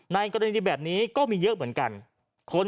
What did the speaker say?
กรณีแบบนี้ก็มีเยอะเหมือนกัน